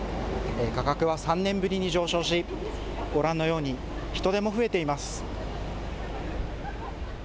価格は３年ぶりに上昇しご覧のように人出も増えています。